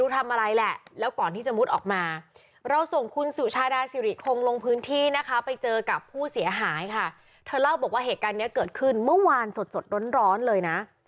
แต่เหตุการณ์นี้เกิดขึ้นเมื่อวานสดร้อนเลยนะ